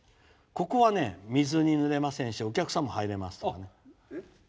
ここは水にぬれませんしお客さんも入れます。